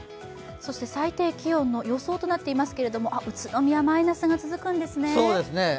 そして最低気温の予想となっていますが宇都宮マイナスが続くんですね